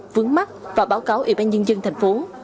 vướng mắt và báo cáo ủy ban nhân dân thành phố